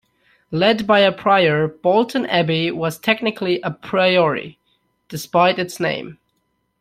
Led by a prior, Bolton Abbey was technically a priory, despite its name.